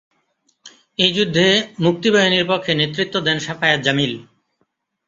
এই যুদ্ধে মুক্তিবাহিনীর পক্ষে নেতৃত্ব দেন শাফায়াত জামিল।